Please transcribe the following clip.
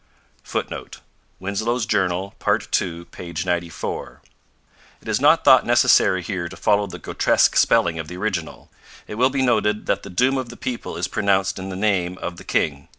[Footnote: Winslow's Journal, part ii, p. 94. It is not thought necessary here to follow the grotesque spelling of the original. It will be noted that the doom of the people is pronounced in the name of the king.